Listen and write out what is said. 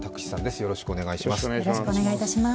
よろしくお願いします。